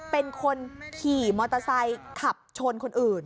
เป็นคนขี่มอเตอร์ไซค์ขับชนคนอื่น